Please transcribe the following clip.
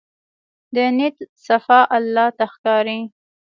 د نیت صفا الله ته ښکاري.